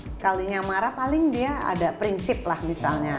sekalinya marah paling dia ada prinsip lah misalnya